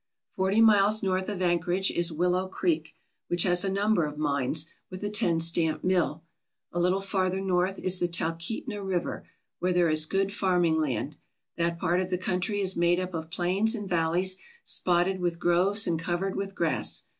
Forty miles north of Anchorage is Willow Creek, which has a number of mines, with a ten stamp mill. A little farther north is the Talkeetna River, where there is good farming land. That part of the country is made up of plains and valleys spotted with groves and covered with grass.